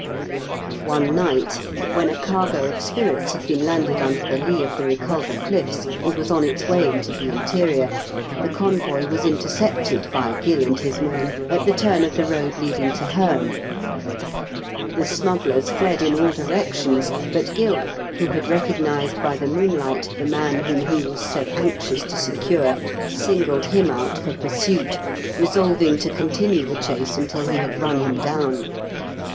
One night, when a cargo of spirits had been landed under the lee of the * TKE SMUGGLEE'8 LEAF. 30^ Eeculver cliflfs; and was on its way into the interior, the convoy was intercepted by Gill and his men at the turn of the road leading to Heme, The smugglers fled in all directions, but Gill, who had recognised by the moonlight the man whom he was so ^.nxious to secure^ singled him out for pursuit, resolving to con tinue the chase until he had run him down.